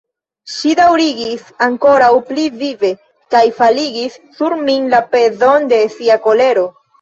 Ŝi daŭrigis ankoraŭ pli vive, kaj faligis sur min la pezon de sia kolero.